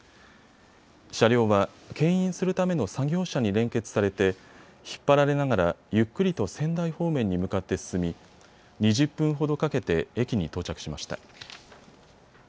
車両は、けん引するための作業車に連結されて引っ張られながら、ゆっくりと仙台方面に向かって進み２０分ほどかけて駅に到着しました。